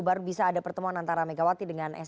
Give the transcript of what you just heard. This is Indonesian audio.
baru bisa ada pertemuan antara megawati dengan